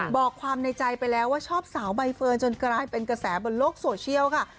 บอกความในใจไปแล้วว่าชอบสาวใบเฟิร์นจนกลายเป็นกระแสบนโลกโซเชียลค่ะ